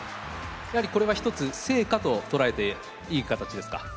やはりこれは一つ成果と捉えていい形ですか？